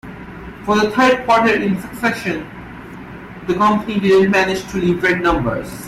For the third quarter in succession, the company didn't manage to leave red numbers.